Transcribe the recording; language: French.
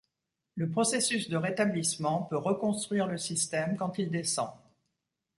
Le processus de rétablissement peut reconstruire le système quand il descend.